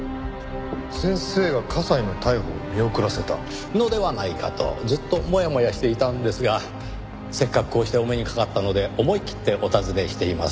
先生が加西の逮捕を見送らせた？のではないかとずっとモヤモヤしていたんですがせっかくこうしてお目にかかったので思い切ってお尋ねしています。